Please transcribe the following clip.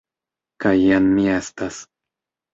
Kaj jen mi estas.